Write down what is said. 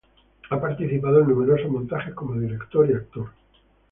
Ha participado en numerosos montajes como director y actor.